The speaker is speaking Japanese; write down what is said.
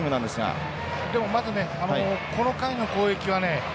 でもまずねこの回の攻撃はね